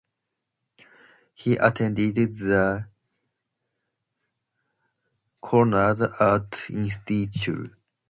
He attended the Chouinard Art Institute.